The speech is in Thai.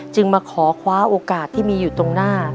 มาขอคว้าโอกาสที่มีอยู่ตรงหน้า